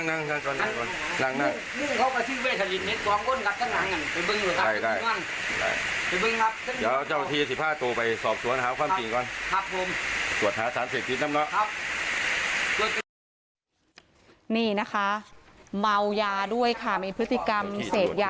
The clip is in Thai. และก็อ้างว่าภรรยาตัวเองไปมีชู้แต่โตไม่ทำร้ายร่างกาย